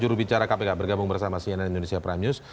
jurubicara kpk bergabung bersama cnn indonesia prime news